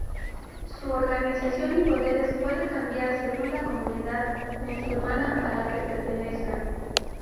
Su organización y poderes puede cambiar según la comunidad musulmana a la que pertenezcan.